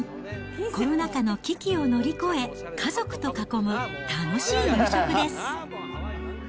コロナ禍の危機を乗り越え、家族と囲む楽しい夕食です。